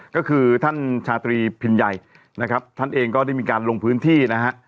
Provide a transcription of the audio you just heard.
ก็คือท่านชาตรีพินใหญ่นะครับท่านเองก็ได้มีการลงพื้นที่นะฮะ